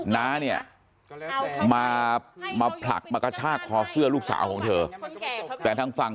น้าเนี่ยมาผลักมากระชากคอเสื้อลูกสาวของเธอแต่ทางฝั่ง